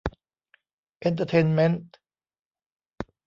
เอนเตอร์เทนเมนต์